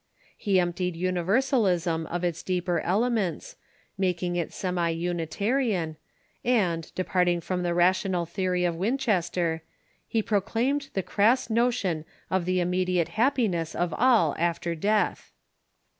He emptied ITniversalism of its deeper elements, making it serai ITnitarian, and, departing from the rational theory of Win chester, he proclaimed the crass notion of the immediate hap piness of all after death.